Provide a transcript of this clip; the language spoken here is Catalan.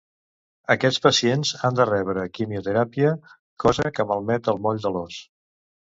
Aquests pacients han de rebre quimioteràpia, cosa que malmet el moll de l'os.